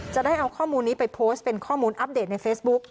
จะได้เอาข้อมูลนี้ไปโพสต์เป็นข้อมูลอัปเดตในเฟซบุ๊ก